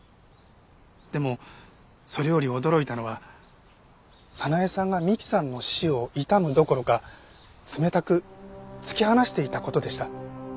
でもそれより驚いたのは早苗さんが美希さんの死を悼むどころか冷たく突き放していた事でした。